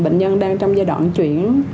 bệnh nhân đang trong giai đoạn chuyển